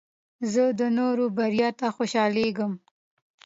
زه د نورو بریا ته خوشحاله کېږم.